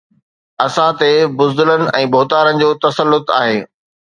اسان تي بزدلن ۽ ڀوتارن جو تسلط آهي